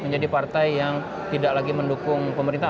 menjadi partai yang tidak lagi mendukung pemerintah